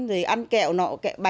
rồi ăn kẹo nọ